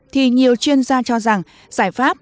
thì nhiều chuyên gia cho rằng giải pháp